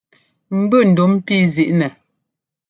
Mbʉ ndúm píi zǐi nɛ.